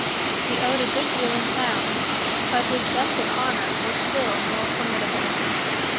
He owed a good deal in the town, but his debts of honour were still more formidable.